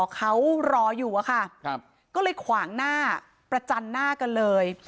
เขารออยู่อะค่ะก็เลยขวางหน้าประจันหน้ากันเลย